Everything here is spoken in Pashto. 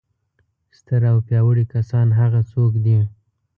ستر او پیاوړي کسان هغه څوک دي.